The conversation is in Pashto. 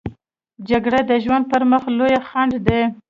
جګړه د ژوند پر مخ لوی خنډ دی